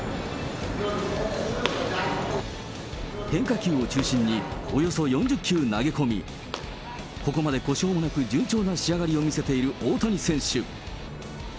変化球を中心に、およそ４０球投げ込み、ここまで故障なく順調な仕上がりを見せている大谷選手。